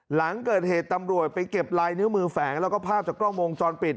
หลังเกิดเหตุตำรวจไปเก็บลายนิ้วมือแฝงแล้วก็ภาพจากกล้องวงจรปิด